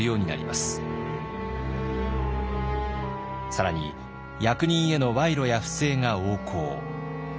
更に役人への賄賂や不正が横行。